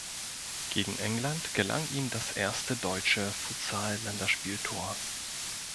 Gegen England gelang ihm das erste deutsche Futsal-Länderspiel-Tor.